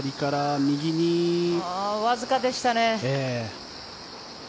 わずかでしたね。